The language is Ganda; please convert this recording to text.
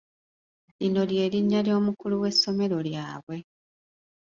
Lino ly’erinnya ly’omukulu w'essomero lyabwe.